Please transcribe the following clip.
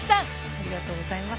ありがとうございます